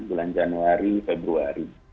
bulan januari februari